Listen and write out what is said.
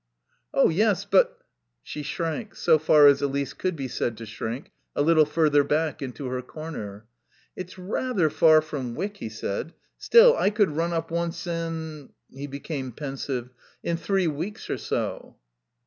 "Oh, yes. But " She shrank, so far as Elise could be said to shrink, a little further back into her corner. "It's rather far from Wyck," he said. "Still, I could run up once in" he became pensive "in three weeks or so."